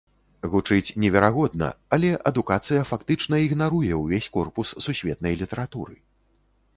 Гучыць неверагодна, але адукацыя фактычна ігнаруе ўвесь корпус сусветнай літаратуры.